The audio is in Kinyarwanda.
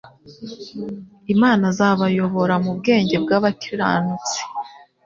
Imana azabayobora mu bwenge bw'abakiranutsi,